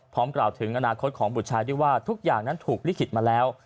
กล่าวถึงอนาคตของบุตรชายด้วยว่าทุกอย่างนั้นถูกลิขิตมาแล้ว